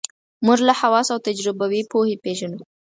موږ له حواسو او تجربوي پوهې پېژنو.